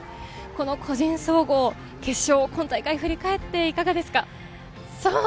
個人総合決勝、今大会振り返っていかがですか？